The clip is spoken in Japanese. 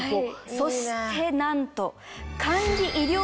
そしてなんと。